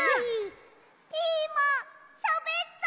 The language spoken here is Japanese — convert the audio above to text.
ピーマンしゃべった！